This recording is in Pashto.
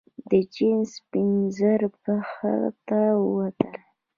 د چین سپین زر بهر ته ووتل.